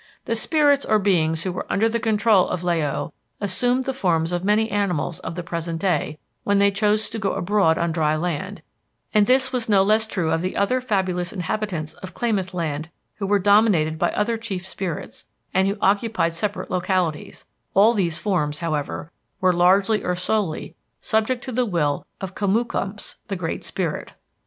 "The spirits or beings who were under the control of La o assumed the forms of many animals of the present day when they chose to go abroad on dry land, and this was no less true of the other fabulous inhabitants of Klamath land who were dominated by other chief spirits, and who occupied separate localities; all these forms, however, were largely or solely subject to the will of Komookumps, the great spirit.